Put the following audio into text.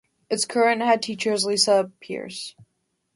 Its current head teacher is Lisa Pearce.